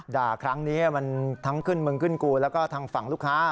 ครั้งนี้มันทั้งขึ้นมึงขึ้นกูแล้วก็ทางฝั่งลูกค้า